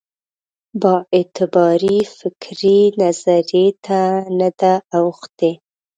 بااعتبارې فکري نظریې ته نه ده اوښتې.